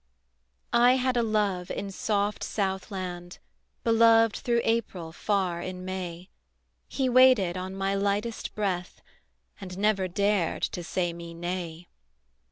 I had a love in soft south land, Beloved through April far in May; He waited on my lightest breath, And never dared to say me nay.